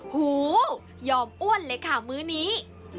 หูยอมอ้วนเลยค่ะมื้อนี้